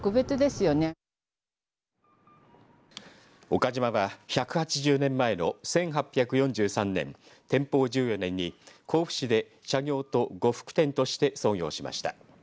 岡島は１８０年前の１８４３年天保１４年に甲府市で茶業と呉服店として創業しました。